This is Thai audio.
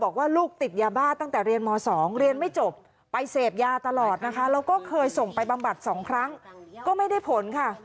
ครั้งที่เก็บไม่ต้องเพราะนะฮะครับ